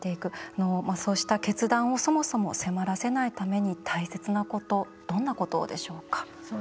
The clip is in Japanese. そうした決断をそもそも迫らせないために大切なことどんなことでしょうか？